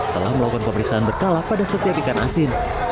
telah melakukan pemeriksaan berkala pada setiap ikan asin